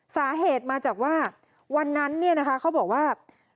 สาเหตุมาจากว่าวันนั้นเนี่ยนะคะเขาบอกว่า